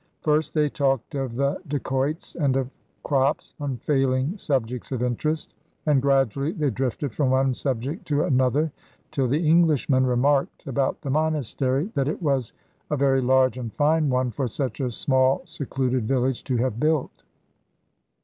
First they talked of the dacoits and of crops, unfailing subjects of interest, and gradually they drifted from one subject to another till the Englishman remarked about the monastery, that it was a very large and fine one for such a small secluded village to have built.